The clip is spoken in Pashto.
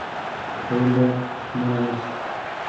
تعلیم باید منع نه سي.